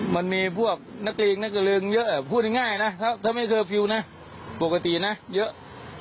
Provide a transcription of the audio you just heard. มันมีพวกนักเรียงนักเรียงเยอะพูดง่ายนะถ้าไม่เคยฟิวนะปกตินะเยอะ